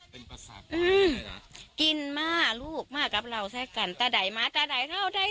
เป็นประสาทอืมมาลูกมากับเราซะกันตาได่มาตาได่เท่าใด